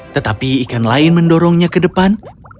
tetapi ikan lain mendorongnya ke depan